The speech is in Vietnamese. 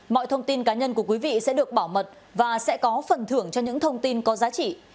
mọi thông tin cá nhân của quý vị sẽ được bảo mật và sẽ có phần thưởng cho những thông tin có giá trị